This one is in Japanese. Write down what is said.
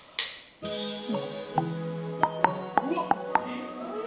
うわっ！